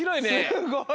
すごい。